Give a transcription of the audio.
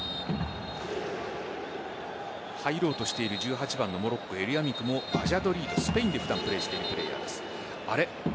入ろうとしている１８番のモロッコ・エルヤミクもバジャドリードスペインで普段プレーしているプレーヤーです。